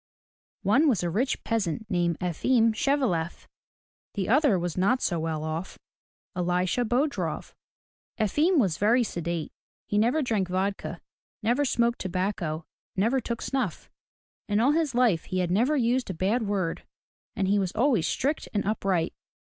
One was a rich peasant named E'fim Shev'e lef. The other was not so well off — E li'sha Bo'drof. Efim was very sedate. He never drank vodka, never smoked tobacco, never took snuff. In all his life he had never used a bad word, and he was always strict and upright.